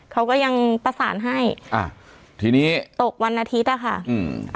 เขาก็ยังประสานให้อ่าทีนี้ตกวันอาทิตย์อ่ะค่ะอืม